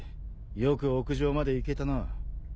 よく屋上まで行けたな。